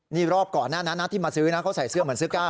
นี่รอบก่อนหน้านั้นนะที่มาซื้อนะเขาใส่เสื้อเหมือนเสื้อกล้า